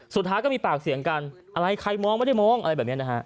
สุดท้ายก็มีปากเสียงกันอะไรใครมองไม่ได้มองอะไรแบบนี้นะฮะ